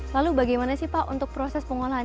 lalu bagaimana sih pak untuk proses pengolahan